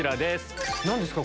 何ですか？